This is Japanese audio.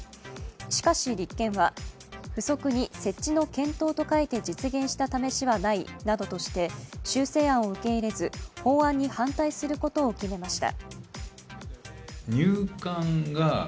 しかし立憲は付則に設置の検討と書いて実現した試しはないなどとして修正案を受け入れず法案に反対することを決めました。